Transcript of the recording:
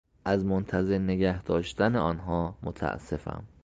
از منتظر نگهداشتن آنها متاسفم.